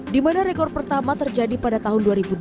di mana rekor pertama terjadi pada tahun dua ribu dua belas